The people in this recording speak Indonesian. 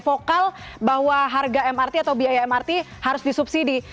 vokal bahwa harga mrt atau biaya mrt harus disubsidi